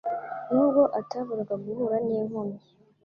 n'ubwo ataburaga guhura n'inkomyi